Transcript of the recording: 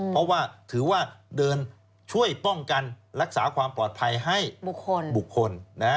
เพราะว่าถือว่าเดินช่วยป้องกันรักษาความปลอดภัยให้บุคคล